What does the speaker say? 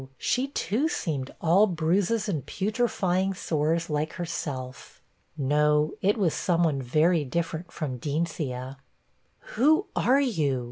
she, too, seemed all 'bruises and putrifying sores,' like herself. No, it was some one very different from Deencia. 'Who are you?'